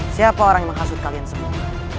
siapa orang yang menghasut kalian semua